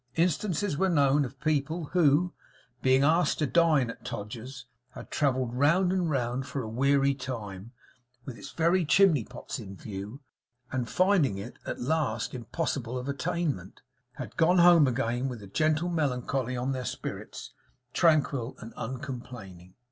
Instances were known of people who, being asked to dine at Todgers's, had travelled round and round for a weary time, with its very chimney pots in view; and finding it, at last, impossible of attainment, had gone home again with a gentle melancholy on their spirits, tranquil and uncomplaining.